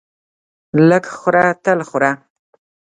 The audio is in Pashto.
لږ خوره تل خوره!